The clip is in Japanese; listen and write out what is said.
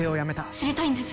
知りたいんです。